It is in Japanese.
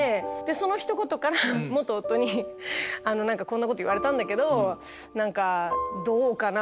そのひと言から夫にこんなこと言われたんだけどどうかな？